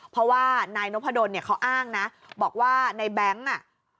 เพราะว่านายนพดลเนี่ยเขาอ้างนะบอกว่าในแบงค์อ่ะ